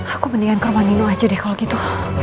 aku mendingan ke rumah nino aja deh kalau gitu